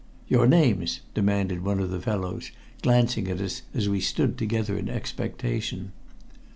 "Your names?" demanded one of the fellows, glancing at us as we stood together in expectation.